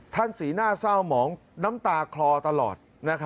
สีหน้าเศร้าหมองน้ำตาคลอตลอด